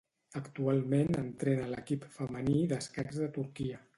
Actualment entrena l'equip femení d'escacs de Turquia.